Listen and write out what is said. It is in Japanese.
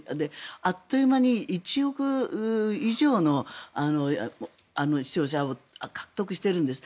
あっという間に１億以上のものを獲得してるんです。